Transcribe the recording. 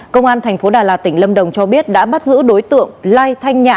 công an tp đà lạt tỉnh lâm đồng cho biết đã bắt giữ đối tượng lai thanh nhã